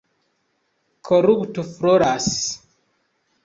Korupto floras.